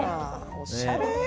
おしゃれ！